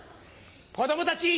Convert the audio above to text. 子供たち！